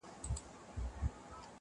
په خیالي دشته اوبه یې لکه وې چې